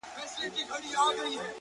• سیاه پوسي ده ـ افغانستان دی ـ